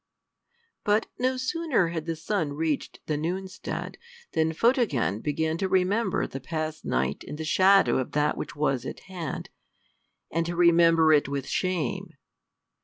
But no sooner had the sun reached the noonstead than Photogen began to remember the past night in the shadow of that which was at hand, and to remember it with shame.